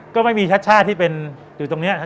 ก็ไม่มีชาติชาติที่เป็นอยู่ตรงนี้ครับ